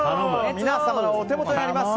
皆様のお手元にあります